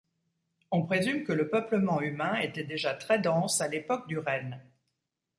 On présume que le peuplement humain était déjà très dense à l'époque du renne.